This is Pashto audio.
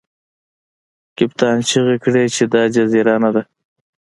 کپتان چیغې کړې چې دا جزیره نه ده.